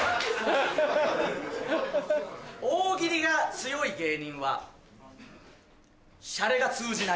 大喜利が強い芸人はシャレが通じない。